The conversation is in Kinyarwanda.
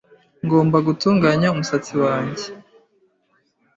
Ngomba gutunganya umusatsi wanjye .